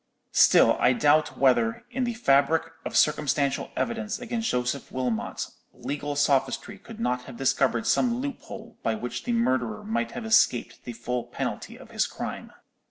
Still I doubt whether, in the fabric of circumstantial evidence against Joseph Wilmot, legal sophistry could not have discovered some loophole by which the murderer might have escaped the full penalty of his crime.